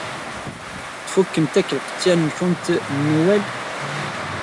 Tfukemt akk lqeḍyan-nwent n Newwal?